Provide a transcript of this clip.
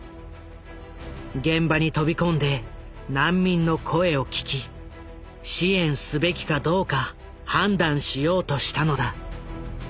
現場に飛び込んで難民の声を聞き支援すべきかどうか判断しようとしたのだ。